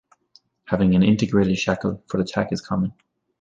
Having an integrated shackle for the tack is common.